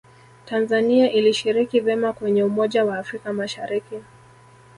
tanzania ilishiriki vema kwenye umoja wa afrika mashariki